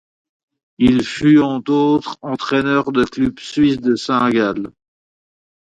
Il fut en outre entraîneur du club suisse de Saint-Gall.